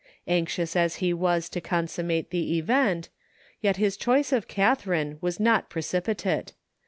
Anxious as he was to consummate the event, yet his choice of Catharine was not precipitate.